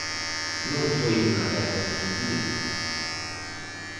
Non foi unha guerra civil.